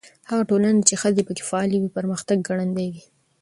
هغه ټولنه چې ښځې پکې فعالې وي، پرمختګ ګړندی وي.